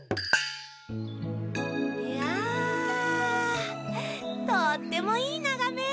やあとってもいいながめ！